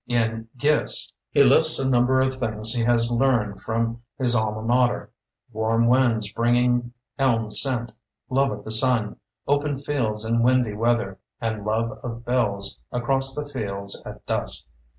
In "Gif ts"^ he lists a number of things he has learned from his alma mater: warm winds bringing elm scent ; love of the sun, open fields and windy weather, and love of bells across the fields at dusk.